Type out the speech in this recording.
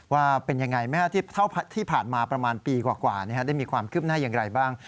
ว่าเป็นยังไงไหมครับเท่าที่ผ่านมาประมาณปีกว่าได้มีความคืบหน้าอย่างไรบ้าง